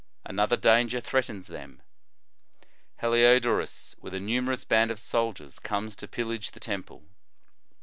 "* Another danger threatens them. Helio dorus, with a numerous band of soldiers, comes to pillage the Temple.